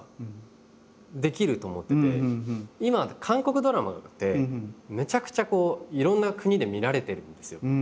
今韓国ドラマってめちゃくちゃいろんな国で見られてるんですよ。